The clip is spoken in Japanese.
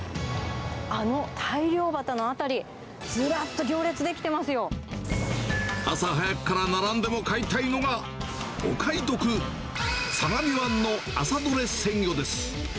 あの大漁旗の辺り、朝早くから並んでも買いたいのが、お買い得、相模湾の朝どれ鮮魚です。